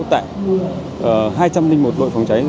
tại hai trăm linh một đội phòng cháy